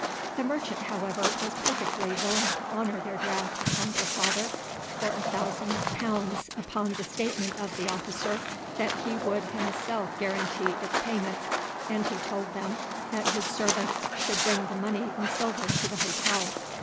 The merchant, however, was perfectly willing to honour their draft upon their father for a thousand pounds upon the statement of the officer that he would himself guarantee its payment, and he told them that his servants should bring the money in silver to the hotel.